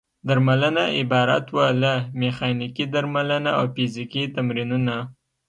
درملنه عبارت وه له: میخانیکي درملنه او فزیکي تمرینونه.